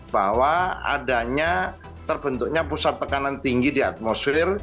bahwa adanya terbentuknya pusat tekanan tinggi di atmosfer